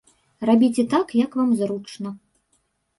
Рабіце так, як вам зручна.